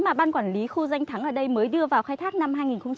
mà ban quản lý khu danh thắng ở đây mới đưa vào khai thác năm hai nghìn một mươi chín